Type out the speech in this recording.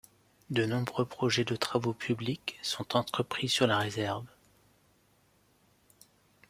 De nombreux projets de travaux publics sont entrepris sur la réserve.